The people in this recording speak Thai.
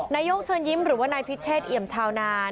นายกเชิญยิ้มหรือว่านายพิเชษเอี่ยมชาวนาน